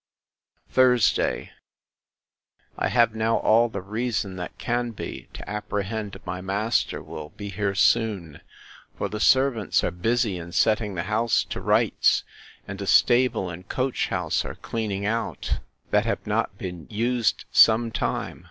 Thursday. I have now all the reason that can be, to apprehend my master will be here soon; for the servants are busy in setting the house to rights; and a stable and coach house are cleaning out, that have not been used some time.